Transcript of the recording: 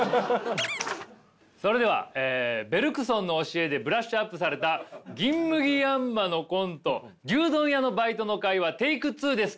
それではベルクソンの教えでブラッシュアップされた銀麦ヤンマのコント牛丼屋のバイトの会話ＴＡＫＥ２です。